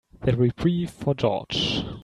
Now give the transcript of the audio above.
The reprieve for George.